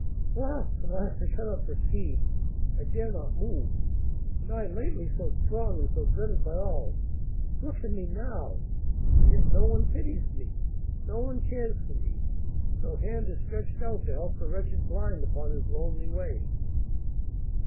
"Alas! alas! I cannot proceed, I dare not move! And I, lately so strong and so dreaded by all, look at me now! Yet no one pities me, no one cares for me, no hand is stretched out to help the wretched blind upon his lonely way!"